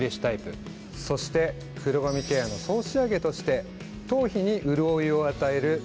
そして黒髪ケアの総仕上げとして頭皮に潤いを与える。